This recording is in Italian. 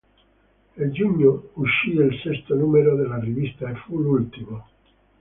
In giugno uscì il sesto numero della rivista, e fu l'ultimo.